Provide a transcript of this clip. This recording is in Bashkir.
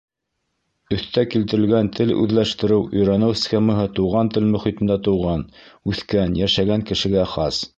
Өҫтә килтерелгән тел үҙләштереү, өйрәнеү схемаһы туған тел мөхитендә тыуған, үҫкән, йәшәгән кешегә хас.